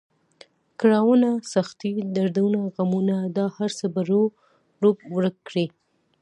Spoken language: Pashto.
کړاونه، سختۍ، دردونه، غمونه دا هر څه به رب ورک کړي.